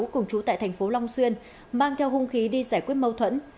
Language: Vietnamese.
cùng chú tại thành phố long xuyên mang theo hung khí đi giải quyết mâu thuẫn